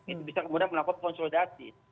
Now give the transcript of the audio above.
itu bisa kemudian melakukan konsolidasi